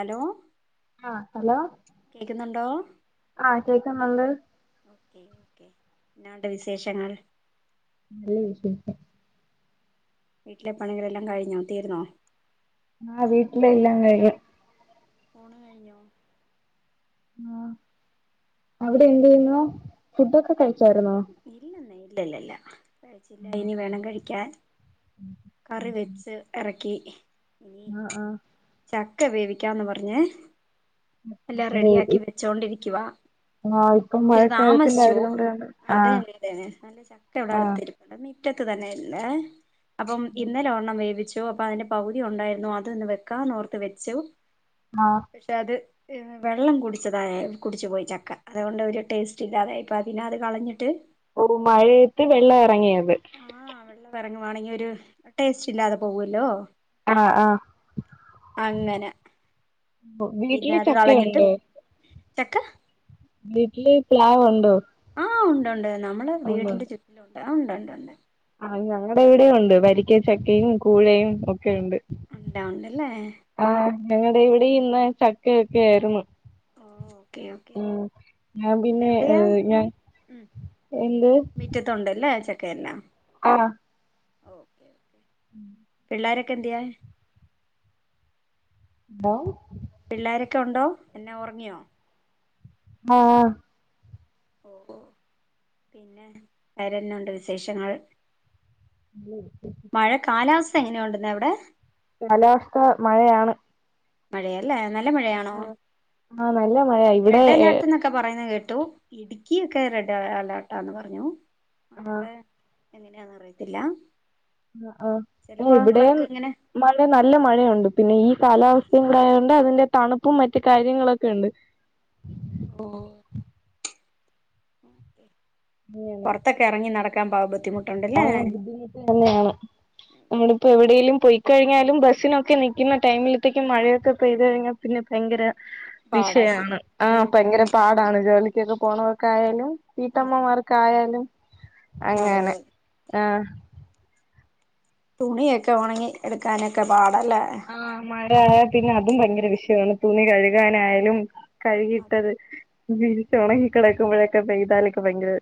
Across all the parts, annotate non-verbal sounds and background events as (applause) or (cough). Hello ആ hello കേക്കുന്നുണ്ടോ ആ കേക്കുന്നുണ്ട് എന്നാ ണ്ട് വിശേഷങ്ങൾ നല്ല വിശേഷം വീട്ടിലെ പണികളെല്ലാം കഴിഞ്ഞോ തീർന്നോ ആ വീട്ടിലെ എല്ലാം കഴിഞ്ഞ് ഊണ് കഴിഞ്ഞോ ആ അവിടെ എന്ത് ചെയ്യുന്നോ ഫുഡൊക്കെ കഴി ച്ചാരുന്നോ ഇല്ല ല്ലല്ല കഴിച്ചില്ല ഇനി വേണം കഴിക്കാൻ കറി വെച്ച് ഇറക്കി ഇനി ആഹ് ആഹ് ച ഒക്കെ വേവിക്കാന്ന് പറഞ്ഞേ ബോ ഇപ്പ് ആ ഇപ്പം ഇച്ചിരി മഴക്കാലത്തിന്റെ താമസിച്ചു ആയിരുന്നോണ്ട് തന്നെ അതെ (unintelligible) എന്നാലും ചക്ക ഇവിടാടത്തരും അത് ഒറ്റക്ക്‌ തന്നെ എല്ലാ അപ്പം ഇന്നലൊരണ്ണം വേവിച്ചു (unintelligible) അപ്പൊ അതിന്റെ പകുതി ഉണ്ടായിരുന്നു അതൊന്ന് വെക്കാന്ന് ഓർത്ത് വെച്ചു ആഹ് പക്ഷെ അത് വെള്ളം കുടിച്ചതായൽ കുടിച്ച് പോയി ചക്ക അതുകൊണ്ട് ഒരു ടേസ്റ്റ് ഇല്ലാതെ ആയിപ്പോയി പിന്നെ അത് കളഞ്ഞി ട്ട് ഓ മഴയത്ത് വെള്ളം എറങ്ങിയ (unintelligible) എറങ്ങുവാണെങ്കിൽ ഒരു ടേസ്റ്റ് ഇല്ലാതെ പോകുവല്ലോ ആഹ് ആഹ് അങ്ങന (unintelligible) വീട്ടില് ചക്കയൊണ്ട് ചക്ക വീട്ടില് പ്ലാവൊണ്ടോ? ആഹ് ഉണ്ട് ഉണ്ട് നമ്മള് വീടിന്റെ ചുറ്റിലൊന്ന് ഏ ഉണ്ട്ണ്ട്ണ്ട് അഈ ഞങ്ങളടെവിടെയൊണ്ട് വരിക്ക ചക്കയും കൂഴയും ഒക്കെയൊണ്ട് എല്ലാം ഉണ്ടല്ലേ ഞങ്ങളടെ ഇവിടെയിന്ന് ചക്കയൊക്കെ ആയിരുന്നു ഓ കെ ഓക്കേ ഉം ഞാൻ പിന്നെ ഇതെവിടെയാ ഏഹ് ഞാൻ ഉം മിറ്റത്തുണ്ടല്ലേ ചക്ക- പിന്നെ ആ ഓക്കേ ഓക്കേ ഉം പിള്ളാരൊക്കെന്തിയെ മോം പിള്ളാരൊക്കെ ഒണ്ടോ എന്നാ ഒറങ്ങിയോ ആ ഓഓ പിന്നെ വേറെന്നുണ്ട് വിശേഷങ്ങൾ മഴ കാലാവസ് ത്തെങ്ങനെയുണ്ടെന്നവിടെ കാലാവസ്ഥ മഴയാണ് മഴയല്ലേ നൽ ല്ല മഴയാണോ ആഹ് നല്ല മഴയാ ഇവിടെ റെഡ് അലേർട്ട് ന്നൊക്കെ പറയന്ന് കേ ട്ടു ഇടുക്കിയൊക്കെ റെഡ് അലേർട്ടാന്ന് പറഞ്ഞു ആഹ് അവിടെ എങ്ങനെയാന്ന് അറിയത്തില്ല ആ ചില ആ ഇവിടെയും ഭാഗങ്ങളൊക്കെ ഇങ്ങനെ മഴ നല്ല മഴയുണ്ട് പിന്നെ ഈ കാലാവസ്ഥയും കൂടെ ആയതുകൊണ്ട് അതിന്റെ തണുപ്പും മറ്റും കാര്യങ്ങളൊക്കെ ഇണ്ട് ഓ മ് പുറത്തൊക്കെ ഇറങ്ങി നടക്കാൻ പാ ആ ബുദ്ധിമുട്ടുണ്ടല്ലേ ബുദ്ധിമുട്ട് തന്നെയാണ് നമ്മള് ഇപ്പോ എവിടെലും പോയി കഴിഞ്ഞാലും ബസ്സിനൊക്കെ നിൽക്കുന്ന ടൈമിലത്തേക്ക് മഴയൊക്കെ പെയ്തു കഴിഞ്ഞാൽ പിന്നെ ഭയങ്കര പാടാ ശരി വിഷയാണ് ആ ഭയങ്കര ഉം പാടാണ് ജോലിക്കൊക്കെ ഓണൊക്കെ ആയാലും മ് ആയാലും അങ്ങനെ ആ തുണിയൊക്കെ ഉണങ്ങി എടുക്കാനക്കെ പാടാ. ല്ല എ ഏ പിന്നെ അതും ഭയങ്കര വിഷയാണ് തൂണി കഴുകാനായലും കൈ കിട്ടത് വിരിച്ച് ഒണങ്ങി കെടക്കുമ്പോഴൊക്കെ പെയ്താലൊക്കെ ഭയങ്കര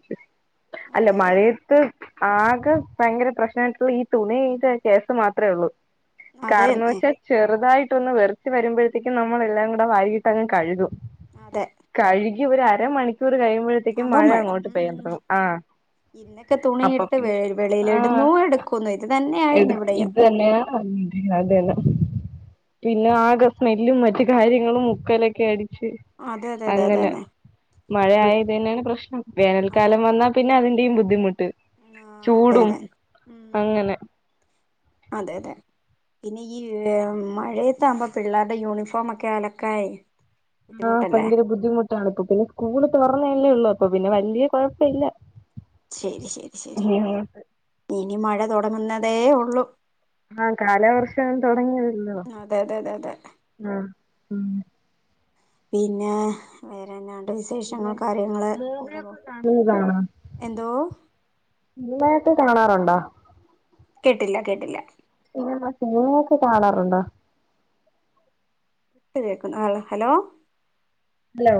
അല്ല അതെ അതെ മഴയത്ത് ആകെ ഭയങ്കര പ്രേശ്നായിട്ടുള്ള ഈ തുണി (unintelligible) അതെ എന്ന് അതെ വച്ചാ ചെറുതായി ട്ടൊന്ന് വെർച്ച് വരുമ്പോഴത്തേക്കും നമ്മള് എല്ലാം കൂടെ വാരിയിട്ടങ്ങ് കഴുകും അതെ ഒര് അരമണി അപം മഴ ആഹ് ഇന്നൊക്കെ അപ്പൊ തുണിയിട്ട് വേ വെളിയില് ഇടുന്നു എടുക്കുന്നു എട് തന്നെയായിരുന്നു ഇവിടെയും ഇത്ന്നെ (unintelligible) പിന്നെ ആകെ സ്മെല്ലും മ മറ്റ് കാര്യങ്ങളും മുക്കലൊക്കെ (unintelligible) അതെ അതെ അതെ അതെ അങ്ങനെ ഇപ്പഴ് മഴയായത് തന്നെയാണ് പ്രശ്നം അതെ വേനൽക്കാലം വന്നാ പിന്നെ അ ഈ ബുദ്ധിമു ട്ട് ആ അതെ ചൂടും അതെ ഉം അങ്ങനെ അതെ അതെ പിന്നെ ഈ യ് മഴയ ത്താമ്പം പിള്ളർടെ യൂണിഫോമൊക്കെ അലക്കയെ ആ ഭയങ്കര ബുദ്ധിമുട്ടാണ് ഇപ്പൊ പിന്നെ സ്കൂള് തൊറ തൊറന്നെല്യേ ഉള്ളൂ അപ്പൊ പിന്നെ വലിയ കുഴപ്പില്ല. ശരി ശരി ശരി ഇനി മഴ തുടങ്ങുന്ന തേ ഉള്ളു. ആ കാലാവർഷം തുടങ്ങിയല്ലോ അതെ അതെ അതെ അതെ മു ഉം പിന്നെ വേറെന്നാണ്. ണ്ട് വിശേഷങ്ങൾ കാര്യങ്ങള് അങ്ങനെ പോ എന്തോ സിനിമ ഒക്കെ കാണാറുണ്ടോ? കേട്ടില്ല കേട്ടില്ല. സിനിമ ഓക്കെ കാണാറുണ്ടോ? കേക്കുന്നു ഹാല് ഹലോ ഹലോ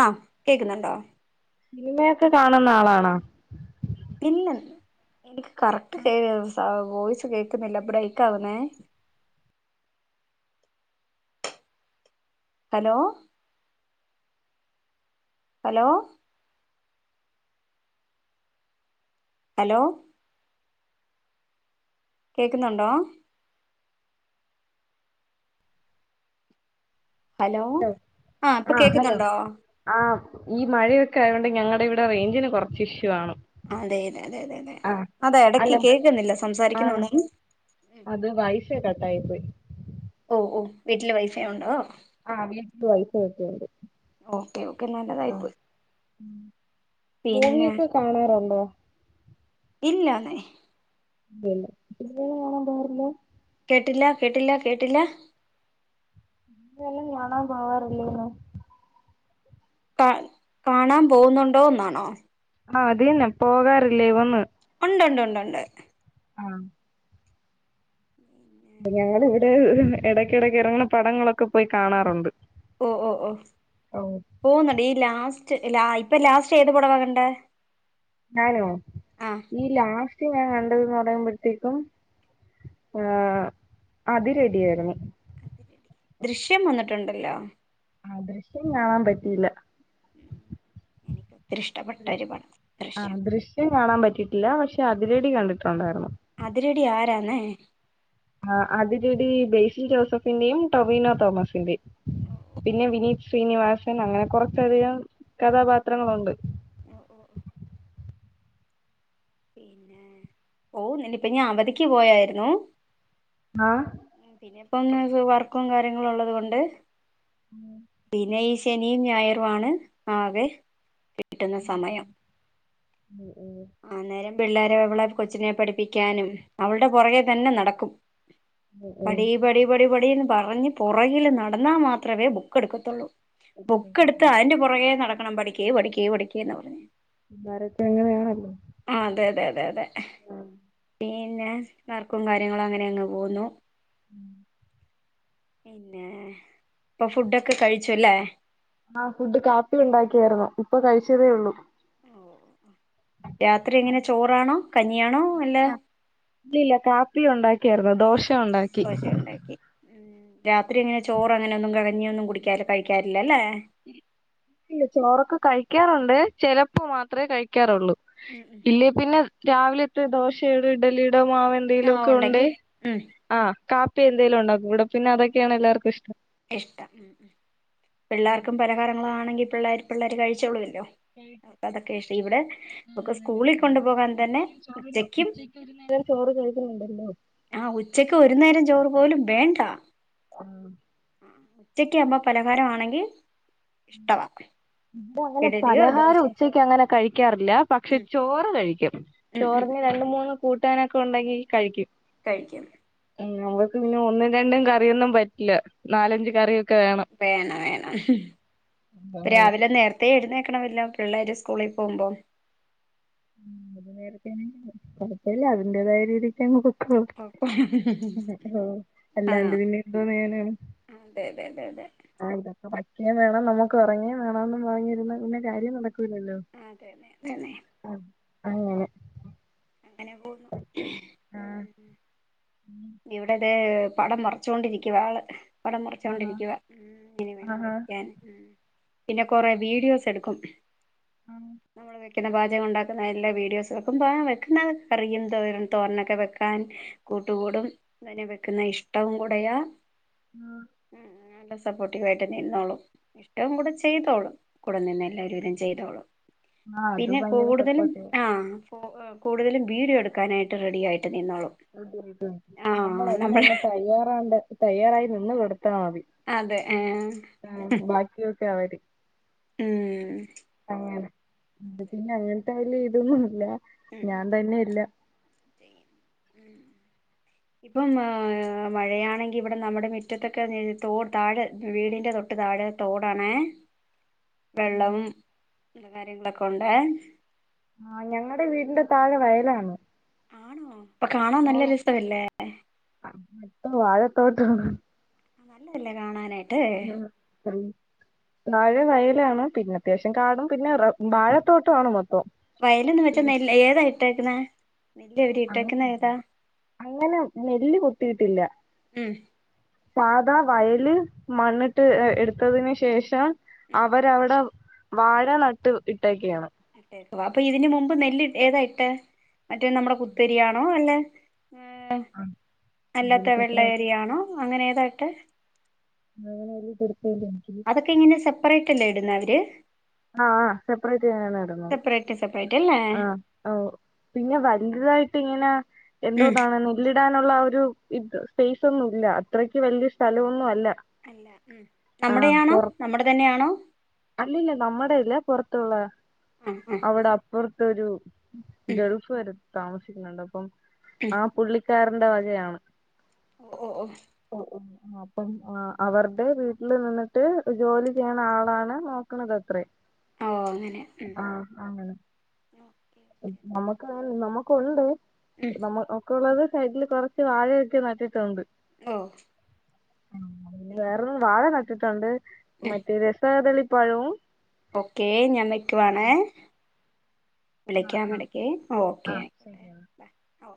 ആഹ് കേക്കുന്നുണ്ടോ സിനിമയൊക്കെ കാണുന്ന ആളാണോ പിന്ന്നെ എനിക്ക് കറക്റ്റ് കയ ആ വോയിസ് കേക്കുന്നില്ല ബ്രെക്കകുന്നെ ഹലോ ഹലോ ഹലോ കേക്കുന്നുണ്ടോ ഹലോ ആ ഇപ്പം ആഹ് ഹലോ കേക്കുന്നുണ്ടോ ആഹ് ഈ മഴയൊക്കെ ആയൊണ്ട് ഞങ്ങടെ ഇവിടെ റേഞ്ചിന് കുറച്ച് ഇഷ്യൂ കാണും അതെയതെ അതെതെതെ അതാ ഇടക്ക് അല്ല കേൾക്കുന്നില്ല സംസാരിക്കുന്ന ആഹ് ഒന്നും (unintelligible) അത് വൈഫൈ ഓ ഓ ഉണ്ടോ ആ വീട്ടില് വൈഫൈ ഉണ്ട് ശരി ഓക്കെ ഒ ആ മൂവി പിന്നെ ഒക്കെ കാണാറൊണ്ടോ ഇല്ലാന്നെ ഇല്ലല്ലേ സിനിമകള് കാണാൻ പോകാറില്ല ട്ടില്ല കേട്ടില്ല കേട്ടില്ല ഇ വല്ല കാണാ പോവാറില്ലേന്ന് കാ കാണാൻ പോന്നുണ്ടോന്നാണോ ആ അതന്നെ പോകാറില്ലേയൊന്ന് ഉണ്ട് ഉണ്ട് ഉണ്ട് ഉണ്ട് ആഹ് അപ്പം ഞങ്ങളിവിടെ ഇടക്കിടക്ക് ഇറങ്ങുന്ന പടങ്ങളൊക്കെ പോയി കാണാറുണ്ട് ഓ ഓ ഓ ഓഹ് പോവുന്നടി ലാസ്റ്റ് ല ഇപ്പൊ ലാസ്റ്റ് ഏത് പടവാ കണ്ടേ? ഞാനോ ആ ഈ ലാ ചേച്ചി ഞാൻ കണ്ടത്െന്ന് പറടയുമ്പോഴത്തേക്കും ഏ അതിറെഡി ആായിരുന്നു ദൃശ്യം വന്നിട്ടുണ്ടല്ലോ ആ ദൃശ്യം കാണാൻ പറ്റിയില്ല എനിക്കും ആ ദൃശ്യം കാണാൻ പറ്റിട്ടില്ല പക്ഷെ പക്ഷെ അതിരടി കണ്ടിട്ടുണ്ടായിരുന്നു അതിടി ആരാന്നേ ആ അതിരടി ബേ്സിൽ ജോസഫിന്റെയും ടൊവിനോ തോമസിന്റെയും പിന്നെ വിനീത് ശ്രീനിവാസൻ അങ്ങനെ കൊറച്ചദികം കഥാപാത്രങ്ങളുണ്ട് ഒ ഓ പിന്നെ ഓ നിയിപ്പൊ ഞാൻ അവധിക്ക് പോയാരുന്നു ആഹ് ഇനിയിപ്പംന്ന് വെച്ചാ വർക്കും കാര്യങ്ങളും ഉള്ളത് കൊണ്ട് പിന്നെ ഈ ശനിയും ഞായറും ആണ് ആകെ കിട്ടുന്ന മ്ഹ് മ്ഹ് സമയം മ്ഹ് മ്ഹ് അന്നേരം പിള്ളേരെ അവളെ കൊച്ചിനെ പഠിപ്പിക്കാനും അവളുടെ പുറകെ തന്നെ നടക്കും പടീ പടി പടി ടീന്നു പറഞ്ഞ് പുറകിൽ നടന്നാൽ മാത്രമേ ബുക്ക് എടുക്കത്തുള്ളൂ ബുക്ക് എടുത്ത് അതിന്റെ പുറകെ നട പഠിക്കേ പഠിക്കേ പഠിക്കേന്ന് പറഞ്ഞ് പിള്ളേരൊക്കെ അങ്ങനെയാണല്ലോ ആ അതെ അതെ അതെ അതെ പിന്നെ വർക്കും കാര്യങ്ങളും അങ്ങനെ അങ്ങ് പോകുന്നു ഉം പിന്നെ ഇപ്പൊ ഫുഡൊക്കെ കഴിച്ചുവല്ലേ ആഹ് ഫുഡ് കാപ്പി ഉണ്ടാക്കിയായിരുന്നു ഇപ്പൊ കഴിച്ചതേ ഉള്ളൂ ഓഹ് രാത്രി എങ്ങനെ ചോറാണോ കഞ്ഞിയാണോ അല്ല ഇല്ല ഇല്ല, കാപ്പി ഉണ്ടാക്കിയായിരുന്നു ദോശ ഉണ്ടാക്കി ദോശ ഉണ്ടാക്കി മ് രാത്രി അങ്ങനെ ചോറ് അങ്ങനെ ഒന്നും കഞ്ഞിയൊന്നും കുടിക്കാ കഴിക്കാറില്ലല്ലേ ഇല്ല ചോറൊക്ക കഴിക്കാറുണ്ട് ചിലപ്പോ മാത്രമേ കഴിക്കാറുള്ളൂ ഉം ഉം ഇല്ലേ പിന്നെ രാവിലത്തെ ദോശ, ഉണ്ട് ഇഡ്ഡലി, ഉണ്ട് - ടെ മാവ് ആ എന്തെലും ഒക്കെ ഉണ്ടെ ഉണ്ടെങ്കി ഉം ആ കാപ്പി എന്തേലുമുണ്ടാക്കുമോ ഇവിടെ പിന്നെ അതൊക്കെയാണ് എല്ലാവർക്കും ഇഷ് ഇഷ്ടം ഉം ഉം പിള്ളേർക്കും പലഹാരങ്ങളാണെങ്കിൽ പിള്ളേർ പിള്ളേര് കഴിച്ചൊള്ളുമ ല്ലോ അതൊക്കെ ഇഷം ഇവിടെ നമുക്ക് അങ്ങനെ സ്കൂളിൽ പിന്നെ കൊണ്ടു പോകാൻ തന്നെ എപ്പോഴും ചോറിലോ ഉച്ചക്കും ഉച്ചക്ക് ഒരു നേരം ചോറ് കഴിക്കുന്നുണ്ടല്ലോ ആ ഉച്ചക്ക് ഒരു നേരം ചോറ് പോലും വേണ്ടാ ആഹ് ഉച്ചക്ക് അമ്മ പലഹാരമാണെങ്കിൽ ഇഷ്ടവാ ഇപ്പോ അങ്ങനെ ഇഡലിയോ പലഹാരം ദോശയോ ഉച്ചക്ക് അങ്ങനെ കഴിക്കാറില്ല പക്ഷെ ഉം ചോറ് കഴിക്കും ഉം ഉം ചോറിന് രണ്ട് മൂന്ന് കൂട്ടാനൊക്കെ ഉണ്ടെങ്കിൽ കഴിക്കും കഴിക്കും മോൾക് പിന്നെ ഒന്നും രണ്ടും കറിയൊന്നും പറ്റില്ല ഉം നാലഞ്ച് കറിയൊക്കെ വേണം. ഇപ്പൊ അങ്ങനെ രാവിലെ നേരത്തെ എഴുന്നേ ൽക്കണമല്ലോ പിള്ളേര് സ്കൂളി പോകുമ്പോ അത് നേരത്തെന്നെ കൊഴപ്പയില്ല അതിന്റേതായ രീതിക്ക് അങ്ങ് പൊയ് (unintelligible) അല്ലാണ്ട് ആഹ് പിന്നെ എന്തോന്ന് ചെയ്യാനാണ് അതെ അതെ അതെ അതെ ആ (unintelligible) പടിക്കെ വേണം നമുക്ക് ഒറങ്ങേ വേണമെന്ന് പറഞ്ഞിരുന്നാ പിന്നെ കാര്യം നട അതെന്നെ അതന്നെ അങ്ങെനെ അങ്ങനെ പോവുന്നു ഉം ഇവിടെട് പിന്നെ പടം മറച്ചുകൊണ്ടിരിക്കുവാ ആള് പടം ആഹാ മറച്ചോണ്ടിരിക്കുവാ ഉം ഇനി വേണം ആഹാ കഴിക്കാന് ഉം പിന്നെ കൊറെ വീഡിയോസ് എടുക്കും. ആഹ് പിന്നെ പാചകം ഒണ്ടാക്കുന്ന എല്ലാ വീഡിയോസുകൾക്കും (unintelligible) (unintelligible) കറിയും തോരൻ തോരനൊക്കെ വെക്കാൻ കൂട്ടുകൂടും (unintelligible) വെക്കുന്നെ ഇഷ്ടവും കൂടെയാ. ആ ഉം നല്ല സപ്പോർട്ടീവായിട്ടന്നെ ഇരുന്നോളും എന്റെ കൂടെ ചെയ്തോളും കൂടെ നിന്നെല്ലാവൊരുവിധം ചെയ്തോളും അത് പിന്നെ ഭയങ്കര കൂടുതലും സപ്പോർട്ടീവാ ആ കൂടുതല് വീഡിയോ എടുക്കാനായിട്ട് റെഡിയായി അതെതെ നമ്മള് നമ്മളതിനങ്ങ് തയ്യാറാണ് തയ്യാറായി നിന്ന് കൊടു അതെ ആഹ് ബാക്കിയൊക്കെ അവര് അങ്ങനെ അത് പിന്നെ അങ്ങനത്തെ വലിയ ഇതൊന്നുമില്ല ഉം ഞാൻ ഉം തന്നെ ഇല്ല ചെയ്യും ഉം ഇപ്പം ഏ മഴയാണെങ്കി ഇവിടെ നമ്മുടെ മുറ്റത്തൊക്കെ തോട് താഴെ വീടിന്റെ തൊട്ട് താഴെ തോടാണ് വെള്ളം എ കാര്യങ്ങളൊക്കെ ഉണ്ട് ആ ഞങ്ങളടെ വീടിന്റെ താഴെ വയലാണ് ആണോ അപ്പൊ കാണൻ നല്ല രസമല്ലേ ആ വഴ തോട്ടാണ് ആ നല്ലായിരി എന്നെ കാണാനായിട്ട് ഉം താഴെ വയലാണ് പിന്നെ അത്യാവശ്യം കാടും പിന്നെ റബ വാഴത്തോട്ട ആണ് മൊത്തം വയലൊന്ന വെച്ച നെല്ല് ഏതായിട്ടക്കുന്ന അ അങ്ങനെ നെല്ല് കൊത്തിയിട്ടില്ല ഉം പാത വയല് മണ്ണിട്ട് എടുത്തതിന് ശേഷം ഉം അവരവിടെ വാഴ നട്ട് ഇട്ടേക്കെയാണ് അപ്പൊ ഇതിന് മുമ്പ് നെല്ല് ഏതാ ഇട്ട് മറ്റേ നമ്മുടെ കുത്തരിയാണോ അല്ലെ ആഹ് (inaudible) ഉംഅല്ലാത്ത അതെനിക്ക് എത്രയായിട്ട് വെള്ളയരിയാണോ അങ്ങനെ കേട്ടെ അങ്ങനെല്ല (inaudible) അതൊക്കെ ഇങ്ങനെ സെപ്പററേറ്റ് ല്ല ഇടുന്ന അവര് ആഹ് സെപ്പറേറ്റ് തന്നാണ് ഇടുന്നത് സെപ്പറേറ്റ് സെപ്പറേറ്റ് അല്ലേ ആഹ് ആ പിന്നെ വലുതായിട്ട് ഇങ്ങനെ ഉം എന്തോന്നാണ് നെല്ലി ഇടാനുള്ള ഒരു സ്പേസ് ഒന്നും ഇല്ല അത്രയ്ക്ക് വലിയ സ്ഥലംഒന്നും അ ആഹ് നമ്മുടെയാണോ പൊറ നമ്മുടെ തന്നെയാണോ അല്ലല്ല നമ്മുടെ ഇല്ലെ പൊറത്തുള്ള ആ ആ അവിടെ അപ്പുറ തൊരു ഉം ഉം ഗൾഫാര് താമസിക്കുന്നുണ്ട് അപ്പം ആ പുള്ളി ക്കാറിന്റെ വകയാണ് ഓ ഓ ഓ ഓ ഓ അപ്പം അവരുടെ വീട്ടിൽ നിന്നിട്ട് ജോലി ചെയ്യണ ആളാണ് നോക്കണത് അത്രേ ഓ അങ്ങനെ ഉം ആഹ് അങ്ങനെ നമുക്ക്- ആ നമുക്കുണ്ട് ഉം നമ്മ ഒക്കെള്ളത് സൈഡിൽ കുറച്ച് വാഴയൊക്കെ നട്ടിട്ടുണ്ട് ഓ ആ വേറെന്ന വാഴ നട്ട് ട്ടിട്ടുണ്ട് മറ്റേ രസകദളി പഴവും ഓക്കെ ഞാൻ വെക്കുവാണെ- ആ വിളിക്കാം ഇടയ്ക്കു ഓക്കെ ആ ആയിക്കോട്ടെ ശരിയെന്നാ ഓ